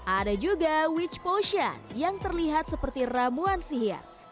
ada juga witch position yang terlihat seperti ramuan sihir